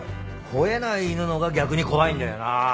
ほえない犬のほうが逆に怖いんだよな。